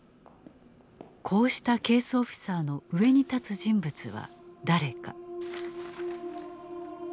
こうしたケース・オフィサーの上に立つ人物は誰か。